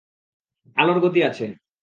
আলোর গতি আছে।